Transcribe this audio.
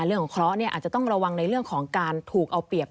เคราะห์อาจจะต้องระวังในเรื่องของการถูกเอาเปรียบ